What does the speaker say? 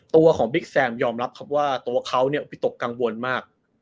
ตัวของบิ๊กแซมยอมรับครับว่าตัวเขาเนี่ยวิตกกังวลมาก